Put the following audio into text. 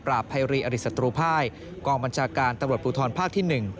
ปราบภัยรีอริสตุภาคกองบัญชาการตำรวจปุทธรภาคที่๑